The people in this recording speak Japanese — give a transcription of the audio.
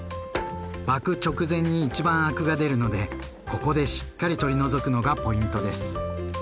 沸く直前に一番アクが出るのでここでしっかり取り除くのがポイントです。